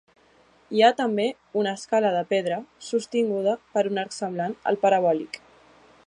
Hi ha també una escala de pedra sostinguda per un arc semblant al parabòlic.